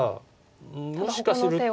うんもしかすると。